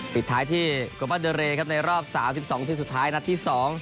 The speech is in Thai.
ปิดท้ายที่โคป้าเดอเลในรอบ๓๒ทีมสุดท้ายนัดที่๒